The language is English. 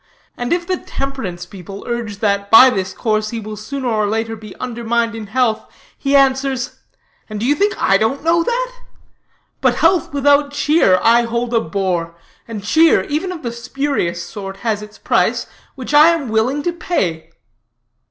And if the temperance people urge that, by this course, he will sooner or later be undermined in health, he answers, 'And do you think I don't know that? But health without cheer I hold a bore; and cheer, even of the spurious sort, has its price, which I am willing to pay.'"